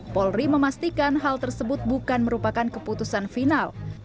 polri memastikan hal tersebut bukan merupakan keputusan final